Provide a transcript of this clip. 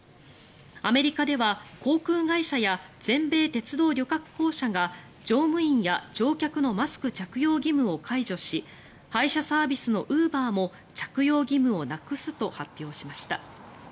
アメリカでは航空会社や全米鉄道旅客公社が乗務員や乗客のマスク着用義務を解除し配車サービスのウーバーも着用義務をなくすと発表しました。